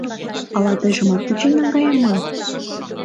— Ала тыйжымат кучен наҥгайыман?